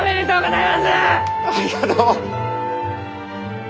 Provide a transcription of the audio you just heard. ありがとう！